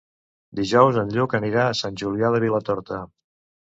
Dijous en Lluc anirà a Sant Julià de Vilatorta.